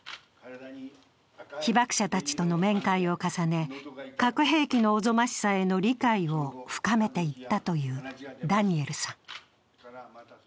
被爆者たちとの面会を重ね核兵器のおぞましさへの理解を深めていったというダニエルさん。